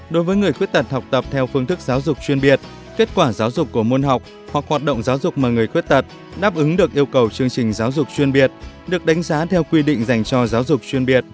ba đối với người khuyết tật học tập theo phương thức giáo dục chuyên biệt kết quả giáo dục của môn học hoặc hoạt động giáo dục mà người khuyết tật đáp ứng được yêu cầu chương trình giáo dục chuyên biệt được đánh giá theo quy định dành cho giáo dục chuyên biệt